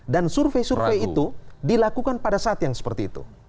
dan survei survei itu dilakukan pada saat yang seperti itu